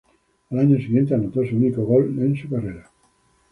Al año siguiente anotó su unico gol en su carrera.